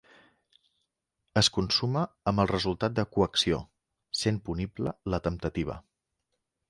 Es consuma amb el resultat de coacció, sent punible la temptativa.